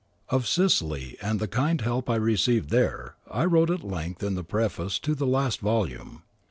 Of Sicily and the kind help I received there, I wrote at length in the preface to the last volume.